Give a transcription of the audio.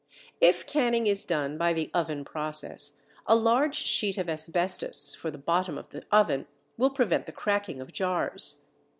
If canning is done by the oven process, a large sheet of asbestos, for the bottom of the oven, will prevent the cracking of jars.